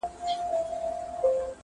چي له لاسه مي دهقان لره كور اور سو.!